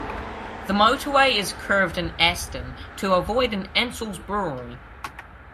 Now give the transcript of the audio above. The motorway is curved in Aston to avoid an Ansells brewery.